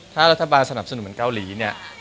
ถ้ารัฐบาลสนับสนุนเหมือนเกาหลีเนี่ย